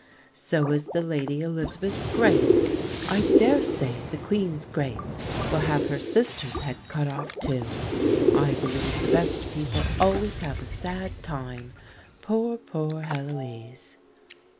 So is the Lady Elizabeth's Grace. I dare say the Queen's Grace will have her sister's head cut off, too. I believe the best people always have a sad time. Poor, poor Heloise!"